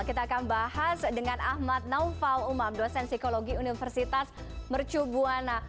kita akan bahas dengan ahmad naufal umam dosen psikologi universitas mercubuana